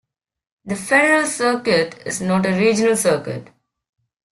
The Federal Circuit is not a regional circuit.